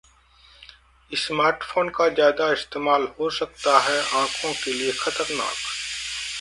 smartphone का ज्यादा इस्तेमाल हो सकता है आंखों के लिए खतरनाक